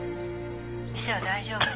店は大丈夫。